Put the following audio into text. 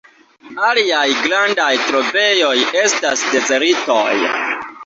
Aliaj grandaj trovejoj estas dezertoj.